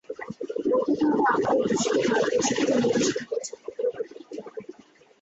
বৌদ্ধধর্ম আপাতদৃষ্টিতে ভারতবর্ষ থেকে নির্বাসিত হয়েছে, কিন্তু প্রকৃতপক্ষে হয়নি।